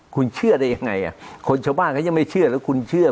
คุณเชื่อได้ยังไงคนชาวบ้านเขายังไม่เชื่อแล้วคุณเชื่อ